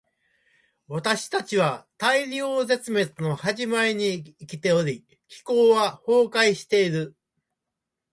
私たちは大量絶滅の始まりに生きており、気候は崩壊している。